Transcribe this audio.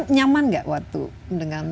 nyaman gak waktu dengan